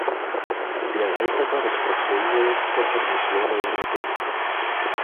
Для гэтага распрацоўваецца адмысловая методыка.